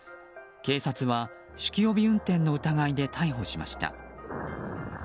警察は酒気帯び運転の疑いで逮捕しました。